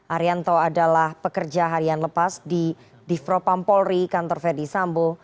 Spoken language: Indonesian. arianto adalah pekerja harian lepas di divropampolri kantor ferdisambu